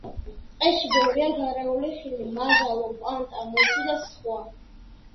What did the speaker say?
ტყეში ბევრია გარეული ხილი: მაჟალო, პანტა, მოცვი და სხვა.